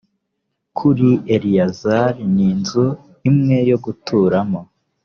kuri eleyazari n inzu imwe yo guturamo